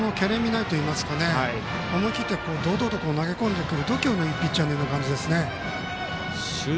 けれんみないといいいますか思い切って堂々と投げ込んでくるという度胸のあるピッチャーという感じですね。